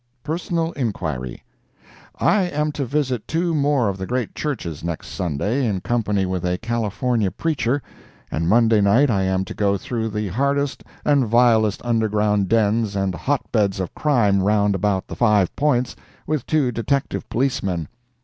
PERSONAL INQUIRY I am to visit two more of the great churches next Sunday, in company with a California preacher, and Monday night I am to go through the hardest and vilest underground dens and hot beds of crime round about the Five Points, with two detective policemen.